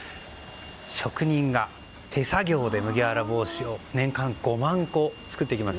職人が、手作業で麦わら帽子を年間５万個作っています。